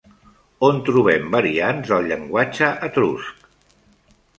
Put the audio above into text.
On trobem variants del llenguatge etrusc?